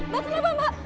mbak kenapa mbak